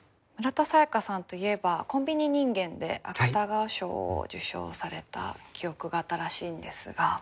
村田沙耶香さんといえば「コンビニ人間」で芥川賞を受賞された記憶が新しいんですが。